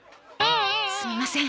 すみません。